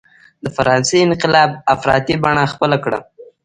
د فرانسې انقلاب افراطي بڼه خپله کړه.